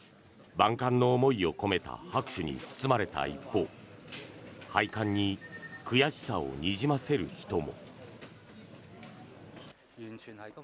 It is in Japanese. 万感の思いを込めた拍手に包まれた一方廃刊に悔しさをにじませる人も。